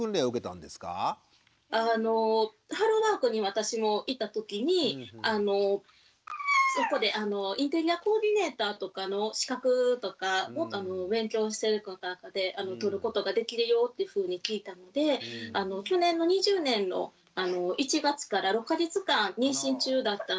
ハローワークに私も行ったときにそこでインテリアコーディネーターとかの資格とかを勉強していく中で取ることができるよってふうに聞いたので去年の２０年の１月から６か月間妊娠中だったんですけれども。